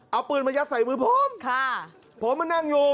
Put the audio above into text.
เอาปืนมายัดใส่มือผมค่ะผมมานั่งอยู่